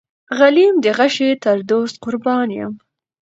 غلیم ته غشی تر دوست قربان یم.